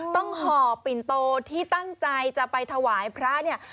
ห่อปิ่นโตที่ตั้งใจจะไปถวายพระเนี่ย